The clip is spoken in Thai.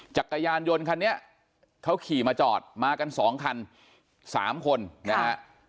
จักรยานยนต์คันนี้เขาขี่มาจอดมากันสองคันสามคนครับ